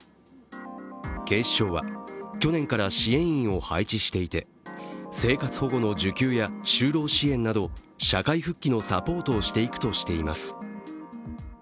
警視庁は去年から支援員を配置していて生活保護の受給や就労支援など社会復帰のサポートをしていくとしています。